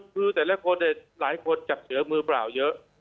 คือแต่ละคนหลายคนจับเสือมือเปล่าเยอะ